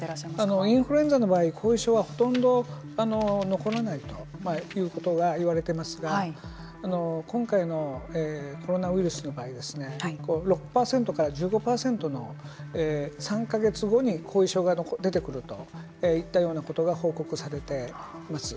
インフルエンザの場合後遺症はほとんど残らないということがいわれていますが今回のコロナウイルスの場合は６％から１５％の３か月後に後遺症が出てくるといったようなことが報告されています。